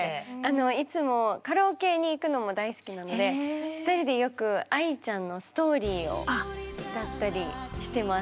いつもカラオケに行くのも大好きなので２人でよくＡＩちゃんの「Ｓｔｏｒｙ」を歌ったりしてます。